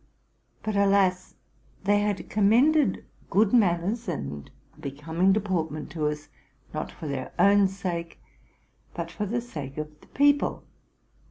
But alas! they had commended good manners and a becoming deportment to us, not for their own sake, but for the sake of the people.